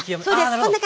こんな感じ。